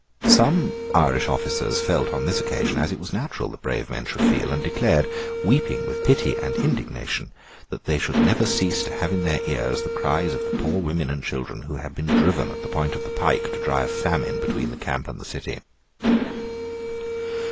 Some Irish officers felt on this occasion as it was natural that brave men should feel, and declared, weeping with pity and indignation, that they should never cease to have in their ears the cries of the poor women and children who had been driven at the point of the pike to die of famine between the camp and the city.